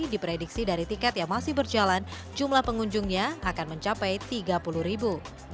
diprediksi dari tiket yang masih berjalan jumlah pengunjungnya akan mencapai tiga puluh ribu